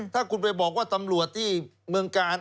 ถ้าคุณไปบอกว่าตำรวจที่เมืองกาล